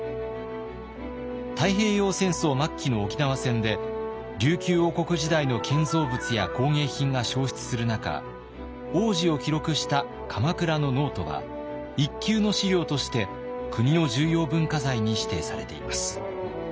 太平洋戦争末期の沖縄戦で琉球王国時代の建造物や工芸品が焼失する中往時を記録した鎌倉のノートは一級の資料として国の重要文化財に指定されています。